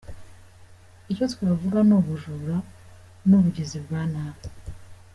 Icyo twavuga ni ubujura n’ubugizi bwa nabi.